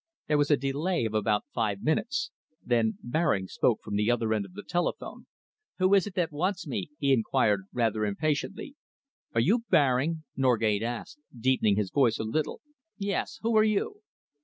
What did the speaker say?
There was a delay of about five minutes. Then Baring spoke from the other end of the telephone. "Who is it wants me?" he enquired, rather impatiently. "Are you Baring?" Norgate asked, deepening his voice a little. "Yes! Who are you?"